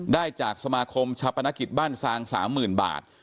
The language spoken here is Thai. ได้จากสมาคมชาปนกิจบ้านซาง๓๐๐๐บาท